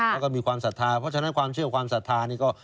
แล้วก็มีความศรัทธาเพราะฉะนั้นความเชื่อความศรัทธานี่ก็